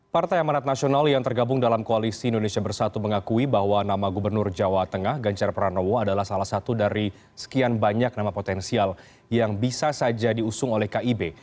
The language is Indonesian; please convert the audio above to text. partai amanat nasional yang tergabung dalam koalisi indonesia bersatu mengakui bahwa nama gubernur jawa tengah ganjar pranowo adalah salah satu dari sekian banyak nama potensial yang bisa saja diusung oleh kib